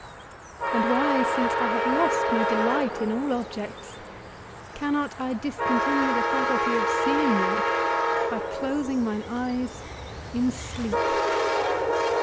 And why, since I have lost my delight in all objects, cannot I discontinue the faculty of seeing them by closing mine eyes in sleep?